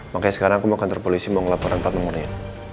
makanya sekarang aku mau kantor polisi mau ngelaporan plat nomornya